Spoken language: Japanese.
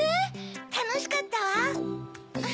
たのしかったわ。